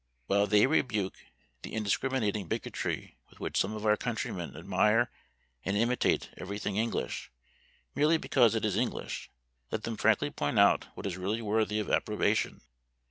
While they rebuke the indiscriminating bigotry with which some of our countrymen admire and imitate every thing English, merely because it is English, let them frankly point out what is really worthy of approbation.